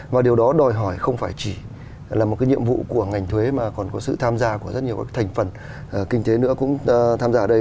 và điều đó đòi hỏi không phải chỉ là một cái nhiệm vụ của ngành thuế mà còn có sự tham gia của rất nhiều các thành phần kinh tế nữa cũng tham gia ở đây